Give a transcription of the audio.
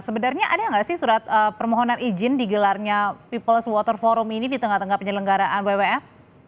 sebenarnya ada nggak sih surat permohonan izin digelarnya peoples water forum ini di tengah tengah penyelenggaraan wwf